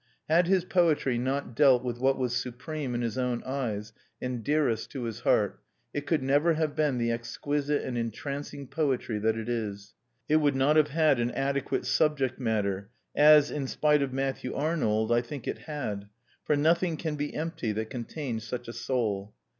Had his poetry not dealt with what was supreme in his own eyes, and dearest to his heart, it could never have been the exquisite and entrancing poetry that it is. It would not have had an adequate subject matter, as, in spite of Matthew Arnold, I think it had; for nothing can be empty that contains such a soul.